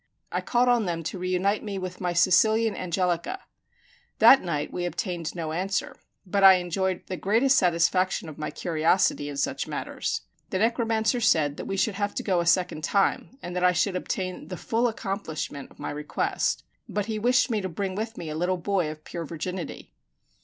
I called on them to reunite me with my Sicilian Angelica. That night we obtained no answer; but I enjoyed the greatest satisfaction of my curiosity in such matters. The necromancer said that we should have to go a second time, and that I should obtain the full accomplishment of my request; but he wished me to bring with me a little boy of pure virginity.